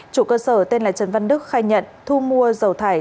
chủ cơ sở tên là trần văn đức khai nhận thu mua dầu thải